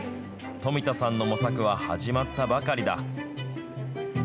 富田さんの模索は始まったばかりだ。